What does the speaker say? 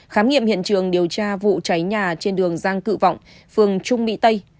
khám nghiệm hiện trường điều tra vụ cháy nhà trên đường giang cự vọng phường trung mỹ tây